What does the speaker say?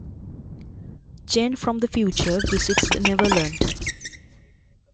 Jane, from the future, visits the Neverland.